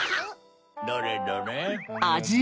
どれどれ？